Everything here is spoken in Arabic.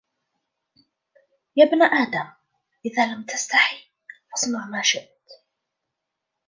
يَا ابْنَ آدَمَ إذَا لَمْ تَسْتَحِ فَاصْنَعْ مَا شِئْتَ